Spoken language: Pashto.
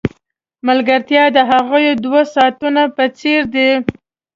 ملګرتیا د هغو دوو ساعتونو په څېر ده.